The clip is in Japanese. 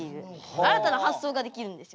新たな発想ができるんですよ。